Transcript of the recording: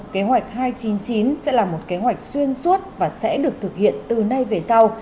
kế hoạch hai trăm chín mươi chín sẽ là một kế hoạch xuyên suốt và sẽ được thực hiện từ nay về sau